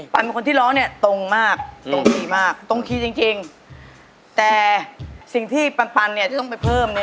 พูดตรงนะไม่ต้องหลัก๓มือนะ